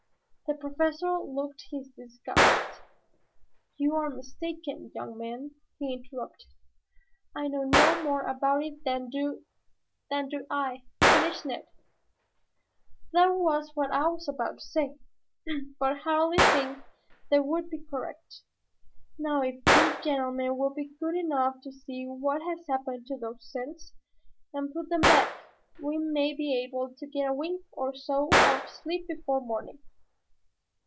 The Professor looked his disgust. "You are mistaken, young man," he interrupted. "I know no more about it than do " "Than do I," finished Ned. "That was what I was about to say, but I hardly think that would be correct. Now if you gentlemen will be good enough to see what has happened to those tents, and put them back, we may be able to get a wink or so of sleep before morning."